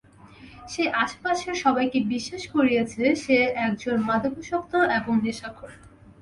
সে আশেপাশের সবাইকে বিশ্বাস করিয়েছে সে একজন মাদকাসক্ত এবং নেশাখোর।